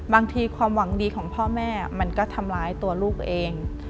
ความหวังดีของพ่อแม่มันก็ทำร้ายตัวลูกเอง